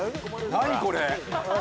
何これ。